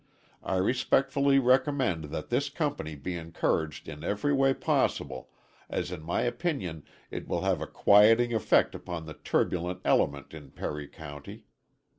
I respectfully recommend that this company be encouraged in every way possible, as in my opinion it will have a quieting effect upon the turbulent element in Perry County.